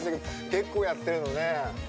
結構やってるのね。